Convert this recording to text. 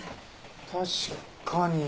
確かに。